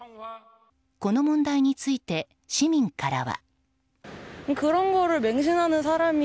この問題について市民からは。